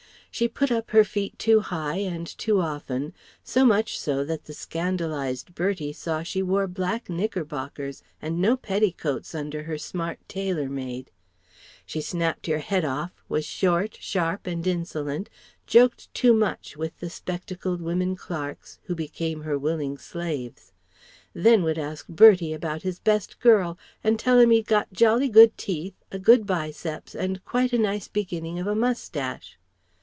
She put up her feet too high and too often; so much so that the scandalized Bertie saw she wore black knickerbockers and no petticoats under her smart "tailor made." She snapped your head off, was short, sharp and insolent, joked too much with the spectacled women clerks (who became her willing slaves); then would ask Bertie about his best girl and tell him he'd got jolly good teeth, a good biceps and quite a nice beginning of a moustache.